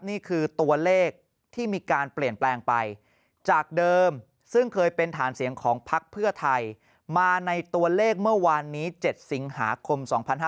นี่คือตัวเลขที่มีการเปลี่ยนแปลงไปจากเดิมซึ่งเคยเป็นฐานเสียงของพักเพื่อไทยมาในตัวเลขเมื่อวานนี้๗สิงหาคม๒๕๕๙